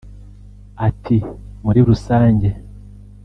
Ati” Muri rusange